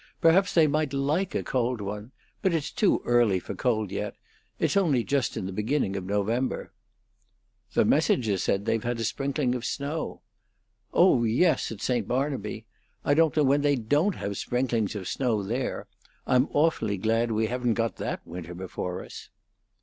"Perhaps they might like a cold one. But it's too early for cold yet. It's only just in the beginning of November." "The Messenger says they've had a sprinkling of snow." "Oh yes, at St. Barnaby! I don't know when they don't have sprinklings of snow there. I'm awfully glad we haven't got that winter before us."